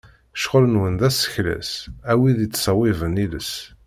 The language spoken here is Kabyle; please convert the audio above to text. Ccɣel-nwen d asekles, a wid yettṣewwiben iles.